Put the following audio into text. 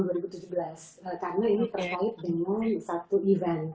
karena ini terkait dengan satu event